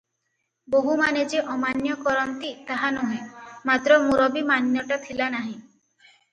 ବୋହୂମାନେ ଯେ ଅମାନ୍ୟ କରନ୍ତି ତାହା ନୁହେଁ, ମାତ୍ର ମୁରବୀ ମାନ୍ୟଟା ଥିଲା ନାହିଁ ।